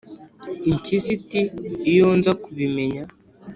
Impyisi iti: "Iyo nza kubimenya!"